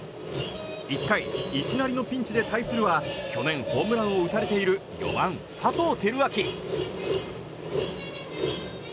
１回、いきなりンピンチで対するは去年ホームランを打たれている４番、佐藤輝明。